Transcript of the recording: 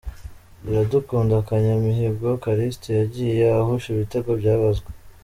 Iradukunda Kanyamihigo Callixte yagiye ahusha ibitego byabazwe .